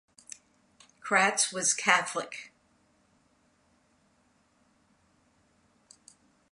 Kratz was Catholic.